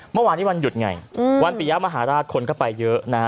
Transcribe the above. เมื่อวานนี้วันหยุดไงวันปียะมหาราชคนก็ไปเยอะนะฮะ